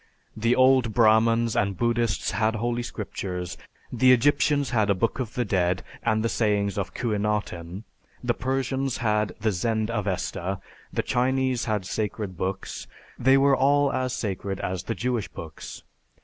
The old Brahmans and Buddhists had Holy Scriptures; the Egyptians had a Book of the Dead, and the Sayings of Khuenaten; the Persians had the Zend Avesta; the Chinese had sacred books. They were all as sacred as the Jewish books.